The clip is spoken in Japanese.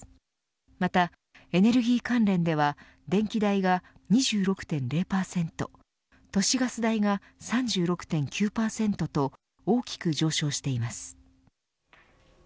またエネルギー関連では電気代が２６．０％都市ガス代が３６．９％と大きく上昇しています。